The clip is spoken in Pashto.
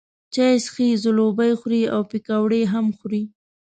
چای څښي، ځلوبۍ خوري او پیکوړې هم خوري.